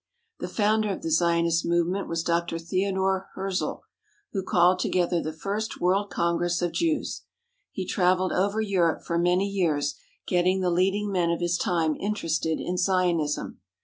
The founder of the Zionist movement was Dr. Theodore Herzl, who called together the first world congress of Jews. He travelled over Europe for many years, getting the leading men of his time interested in Zionism.